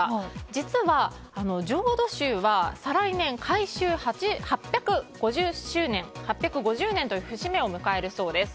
実は、浄土宗は再来年開宗８５０年という節目を迎えるそうです。